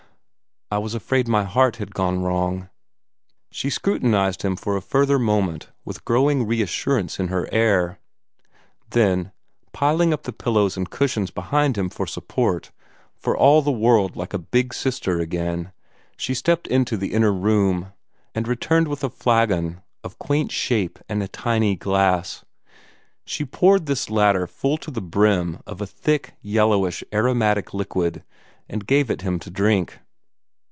"I was afraid my heart had gone wrong." She scrutinized him for a further moment, with growing reassurance in her air. Then, piling up the pillows and cushions behind him for support, for all the world like a big sister again, she stepped into the inner room, and returned with a flagon of quaint shape and a tiny glass. She poured this latter full to the brim of a thick yellowish, aromatic liquid, and gave it him to drink.